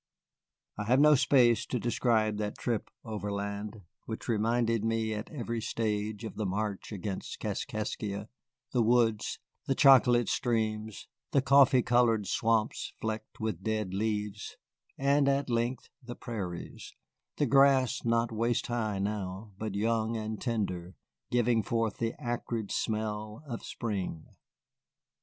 I have no space to describe that trip overland, which reminded me at every stage of the march against Kaskaskia, the woods, the chocolate streams, the coffee colored swamps flecked with dead leaves, and at length the prairies, the grass not waist high now, but young and tender, giving forth the acrid smell of spring.